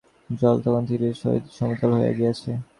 জল তখন তীরের সহিত সমতল হইয়া গিয়াছে।